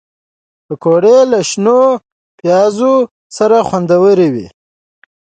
پکورې له شنو پیازو سره خوندورې وي